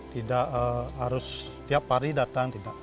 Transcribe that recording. tidak harus tiap hari datang tidak